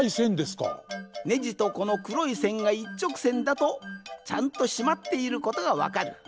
ネジとこのくろいせんがいっちょくせんだとちゃんとしまっていることがわかる。